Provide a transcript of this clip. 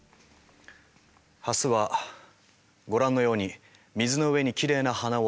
ハスはご覧のように水の上にきれいな花を咲かせています。